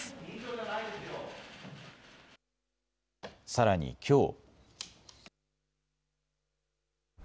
さらに、きょう。